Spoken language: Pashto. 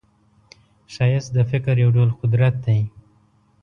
ښایست د فکر یو ډول قدرت دی